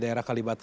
di daerah kalibata